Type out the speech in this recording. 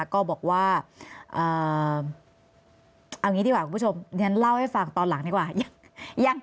ก็บอกว่าเอางี้ดีกว่าคุณผู้ชมฉันเล่าให้ฟังตอนหลังดีกว่า